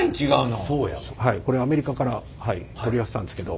これアメリカから取り寄せたんですけど。